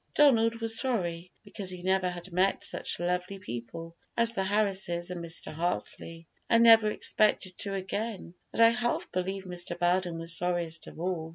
Donald was sorry, because he never had met "such lovely people" as the Harrises and Mr. Hartley, and never expected to again, and I half believe Mr. Belden was sorriest of all.